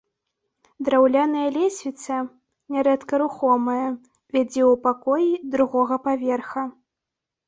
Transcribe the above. Драўляная лесвіца, нярэдка рухомая, вядзе ў пакоі другога паверха.